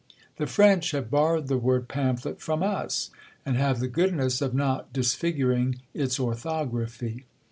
The French have borrowed the word Pamphlet from us, and have the goodness of not disfiguring its orthography.